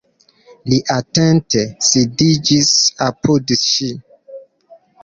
Li atente sidiĝis apud ŝi.